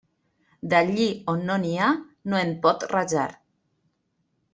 D'allí a on no n'hi ha no en pot rajar.